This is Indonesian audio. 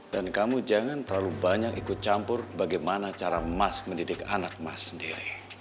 dan kamu jangan terlalu banyak ikut campur bagaimana cara mas mendidik anak mas sendiri